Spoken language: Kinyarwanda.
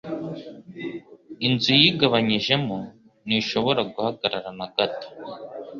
Inzu yigabanyijemo ntishobora guhagarara na gato